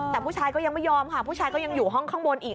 แต่ผู้ชายก็ยังไม่ยอมค่ะผู้ชายก็ยังอยู่ห้องข้างบนอีก